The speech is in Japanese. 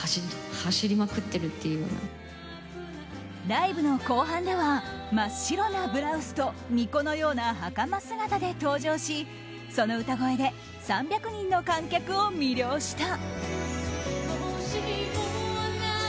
ライブの後半では真っ白なブラウスと巫女のような、はかま姿で登場しその歌声で３００人の観客を魅了した。